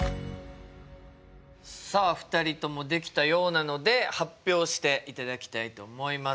さあ２人ともできたようなので発表していただきたいと思います。